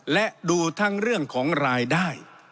และดูทั้งเรื่องของรายได้